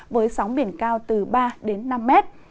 với sóng biển cao từ ba đến năm m